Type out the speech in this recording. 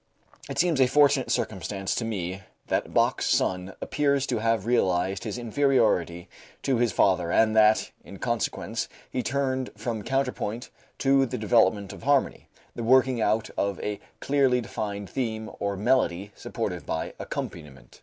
It seems a fortunate circumstance to me that Bach's son appears to have realized his inferiority to his father and that, in consequence, he turned from counterpoint to the development of harmony the working out of a clearly defined theme or melody supported by accompaniment.